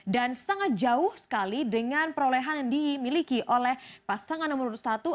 dan sangat jauh sekali dengan perolehan yang dimiliki oleh pasangan nomor satu